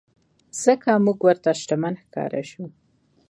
ځکه مونږ ورته شتمن ښکاره شوو.